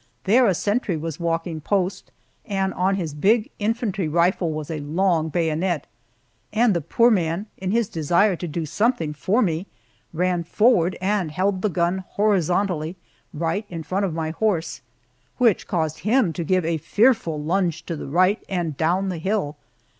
There a sentry was walking post, and on his big infantry rifle was a long bayonet, and the poor man, in his desire to do something for me, ran forward and held the gun horizontally right in front of my horse, which caused him to give a fearful lunge to the right and down the hill.